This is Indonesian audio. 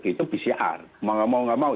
itu pcr mau gak mau gak mau